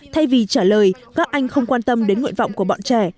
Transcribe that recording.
thay vì trả lời các anh không quan tâm đến nguyện vọng của bọn trẻ